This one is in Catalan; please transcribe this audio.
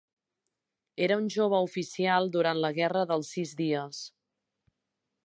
Era un jove oficial durant la Guerra dels Sis Dies.